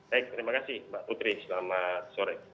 baik terima kasih mbak putri selamat sore